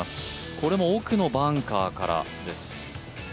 これも奥のバンカーからです。